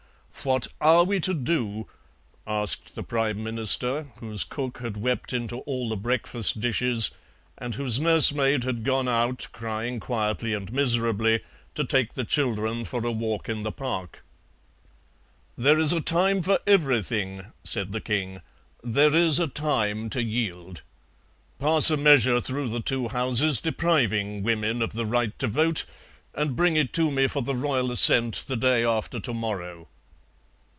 "What are we to do?" asked the Prime Minister, whose cook had wept into all the breakfast dishes and whose nursemaid had gone out, crying quietly and miserably, to take the children for a walk in the Park. "There is a time for everything," said the King; "there is a time to yield. Pass a measure through the two Houses depriving women of the right to vote, and bring it to me for the Royal assent the day after to morrow."